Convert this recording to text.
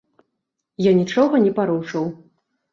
Я нічога не парушыў.